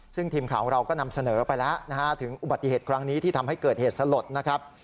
ซึ่งทีมข่าวของเราก็นำเสนอไปแล้วนะฮะถึงอุบัติเหตุครั้งนี้ที่ทำให้เกิดเหตุสลดนะครับ